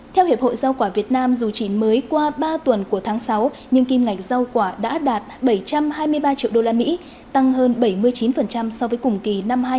theo hiệp hội giao quả việt nam dù chỉ mới qua ba tuần của tháng sáu nhưng kim ngạch giao quả đã đạt bảy trăm hai mươi ba triệu usd tăng hơn bảy mươi chín so với cùng kỳ